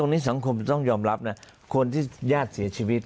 ว่าคนที่ย่าระยาทเสียชีวิต